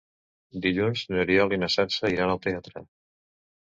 Dilluns n'Oriol i na Sança iran al teatre.